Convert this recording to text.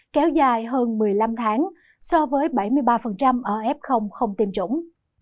kéo dài hơn một mươi năm tháng so với bảy mươi ba ở f không tiêm chủng